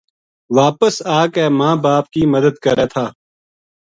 واپس آ کے ماں باپ کی مدد کرے تھا